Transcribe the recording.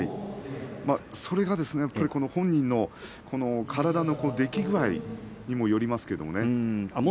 それが本人の体の出来具合によりますけどね。